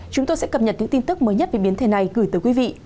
chúng tôi sẽ cập nhật những tin tức mới nhất về biến thể này gửi tới quý vị